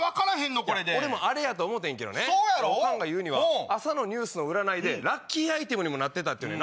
俺もあれやと思うてんけどねオカンが言うには朝のニュースの占いでラッキーアイテムになってたって言うねん。